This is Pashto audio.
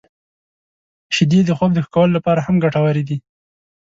• شیدې د خوب د ښه کولو لپاره هم ګټورې دي.